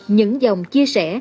những dòng chia sẻ